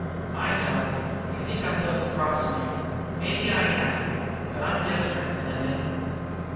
"I know. You think I'm double crossin' you. Maybe I am, but I'm desperate, Glendin."